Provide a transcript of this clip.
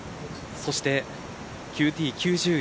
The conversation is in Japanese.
そしてＱＴ９０位。